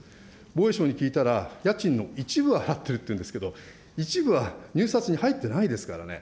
防衛省に聞いたら、家賃の一部は払ってるというんですけれども、一部は入札に入ってないですからね。